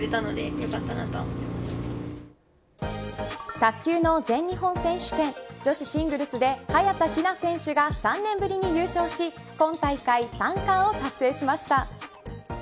卓球の全日本選手権女子シングルスで早田ひな選手が３年ぶりに優勝し今大会３冠を達成しました。